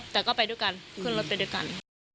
แต่ก็ไปด้วยกันขึ้นรถไปด้วยกัน